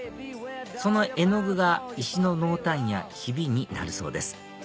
その絵の具が石の濃淡やヒビになるそうです